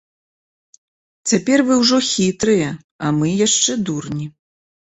Цяпер вы ўжо хітрыя, а мы яшчэ дурні.